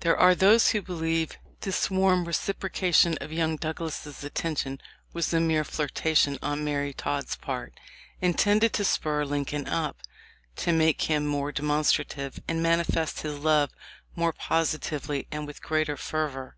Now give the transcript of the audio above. There are those who believe this warm reciprocation of young Douglas' affection was a mere flirtation on Mary Todd's part, intended to spur Lincoln up, to make him more de monstrative, and manifest his love more positively and with greater fervor.